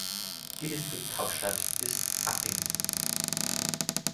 Die Distrikthauptstadt ist Upington.